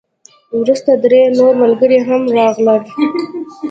وروسته درې نور ملګري هم راغلل.